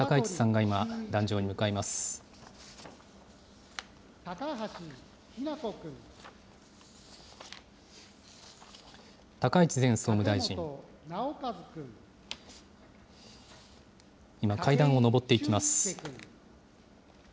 今、階段を上っていきます。